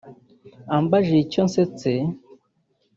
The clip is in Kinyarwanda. Ambajije icyo nsetse